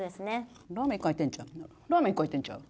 ラーメン１個入ってんちゃう？